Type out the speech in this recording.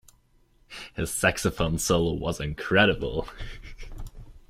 His saxophone solo was incredible.